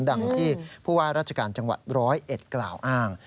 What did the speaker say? ดังที่ผู้ว่าราชการจังหวัด๑๐๑กล่าวอ้าง